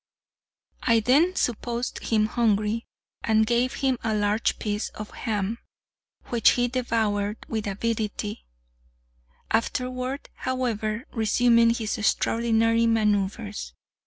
I then supposed him hungry, and gave him a large piece of ham, which he devoured with avidity—afterward, however, resuming his extraordinary manoeuvres.